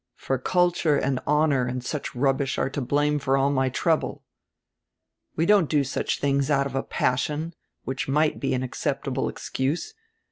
For culture and honor and such rubbish are to blame for all my trouble. We don't do such tilings out of passion, which might be an acceptable excuse.